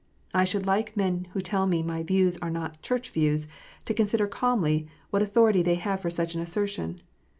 I should like men who tell me my views are not " Church" views, to consider calmly what authority they have for such an assertion.